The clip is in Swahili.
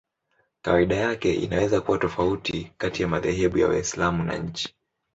Kawaida yake inaweza kuwa tofauti kati ya madhehebu ya Waislamu na nchi.